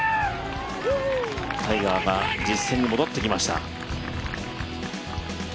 タイガーが実戦に戻ってきました。